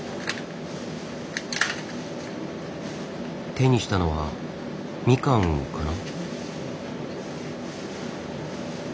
手にしたのはみかんかな？